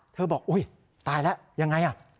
บอกอุ๊ยตายแล้วยังไง